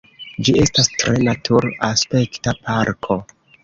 Ĝi estas tre natur-aspekta parko.